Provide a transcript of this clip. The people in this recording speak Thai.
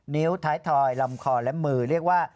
นิ้วท้ายถอยลำคอและมือเรียกว่า